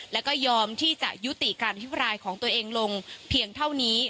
และก็ยอมที่จะยุติการอภิปรายของตัวเองลงเพียงเท่านี้